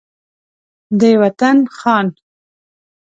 د وطن خان